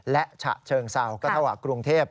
และฉะเชิงเซาก็เท่ากับกรุงเทพ